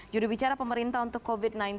judul bicara pemerintah untuk covid sembilan belas